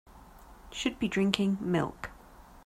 Should be drinking milk.